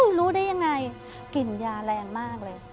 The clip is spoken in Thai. รู้ได้ยังไงกลิ่นยาแรงมากเลย